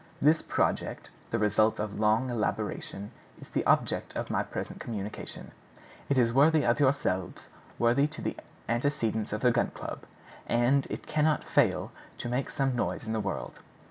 This project, the result of long elaboration, is the object of my present communication. It is worthy of yourselves, worthy of the antecedents of the Gun Club; and it cannot fail to make some noise in the world."